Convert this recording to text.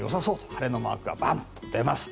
晴れマークがバンと出ます。